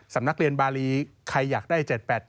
นักเรียนบารีใครอยากได้๗๘๘